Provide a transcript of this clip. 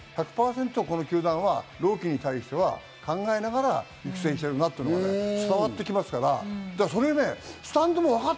この球団は朗希に対しては考えながら育成してるなっていうのが伝わってきますから、それス